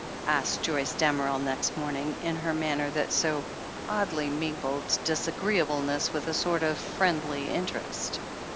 asked Joyce Damerel next morning, in her manner that so oddly mingled disagreeableness with a sort of friendly interest.